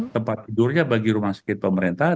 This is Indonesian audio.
tempat tidurnya bagi rumah sakit pemerintah